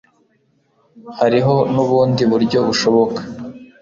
Hariho nubundi buryo bushoboka